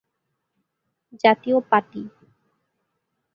জাতিয় পাটি